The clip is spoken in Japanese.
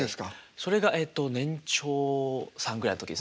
それがえっと年長さんぐらいの時です